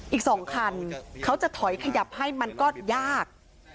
อีก๒คันเขาจะถอยขยับให้มันก็ยาก